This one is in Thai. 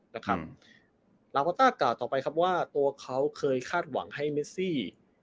ลาวาต้ากล่าวต่อไปครับว่าตัวเขาเคยคาดหวังให้เมซี่